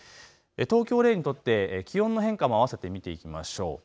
東京を例にとって気温の変化もあわせて見ていきましょう。